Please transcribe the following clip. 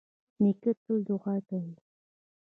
نیکه تل دعا کوي.